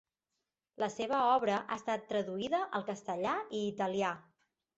La seva obra ha estat traduïda al castellà i italià.